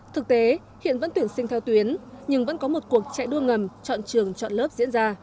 thực tế hiện vẫn tuyển sinh theo tuyến nhưng vẫn có một cuộc chạy đua ngầm chọn trường chọn lớp diễn ra